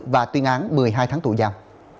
và tuyên án một mươi hai tháng tù giam